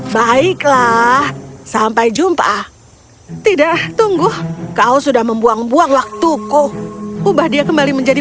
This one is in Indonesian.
baiklah sampai jumpa tidak tunggu kau sudah membuang buang waktuku ubah dia kembali menjadi